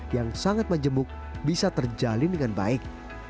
yang sangat menjemuk bisa terjalin dengan baik